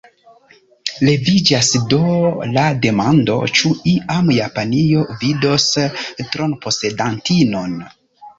Leviĝas do la demando: ĉu iam Japanio vidos tronposedantinon?